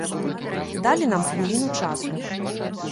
Далі нам хвіліну часу.